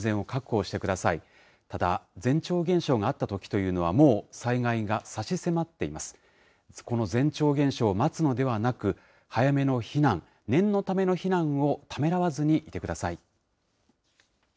この前兆現象を待つのではなく、早めの避難、念のための避難をためらわずにいてください。